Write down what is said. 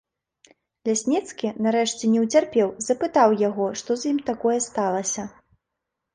Лясніцкі, нарэшце, не ўцерпеў, запытаў яго, што з ім такое сталася.